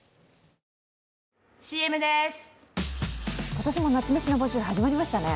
今年も夏メシの募集始まりましたね。